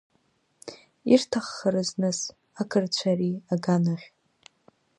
Ирҭаххарыз, нас, ақырҭцәа ари аганахь?